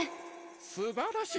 すばらしい！